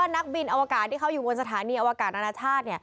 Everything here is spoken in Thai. นักบินอวกาศที่เขาอยู่บนสถานีอวกาศนานาชาติ